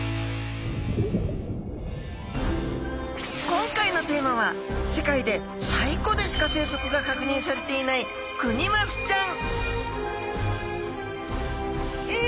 今回のテーマは世界で西湖でしか生息が確認されていないクニマスちゃん